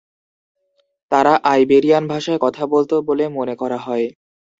তারা আইবেরিয়ান ভাষায় কথা বলত বলে মনে করা হয়।